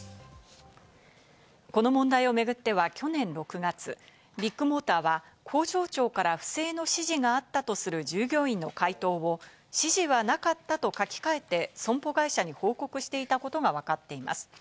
この問題を巡っては去年６月、ビッグモーターは工場長から不正の指示があったとする従業員の回答を指示はなかったと書き換えて、損保会社に報告していたことがわかっています。